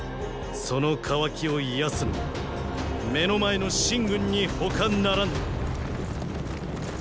その“乾き”を癒やすのは目の前の秦軍に他ならぬ。